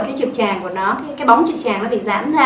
cái trực tràng của nó cái bóng trực tràng nó bị rán ra